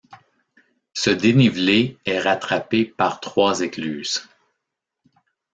Ce dénivelé est rattrapé par trois écluses.